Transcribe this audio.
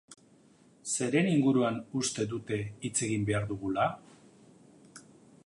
Zeren inguruan uste dute hitz egin behar dugula?